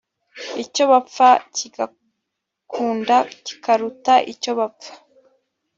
icyo bapfana kigakunda kikaruta icyo bapfa